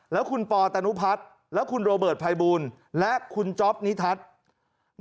แล้วคุณปอตนุพัฒน์และคุณโรเบิร์ตภัยบูลและคุณจ๊อปนิทัศน์